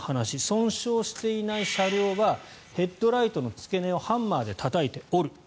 損傷していない車両はヘッドライトの付け根をハンマーでたたいて折る。